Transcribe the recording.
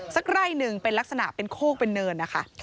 ไร่หนึ่งเป็นลักษณะเป็นโคกเป็นเนินนะคะ